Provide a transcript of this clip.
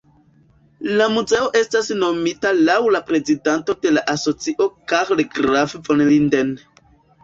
La muzeo estas nomita laŭ la prezidanto de la asocio Karl Graf von Linden.